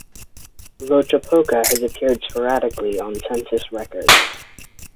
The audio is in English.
Loachapoka has appeared sporadically on census records.